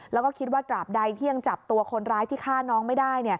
แล้วก็คิดว่าตราบใดที่ยังจับตัวคนร้ายที่ฆ่าน้องไม่ได้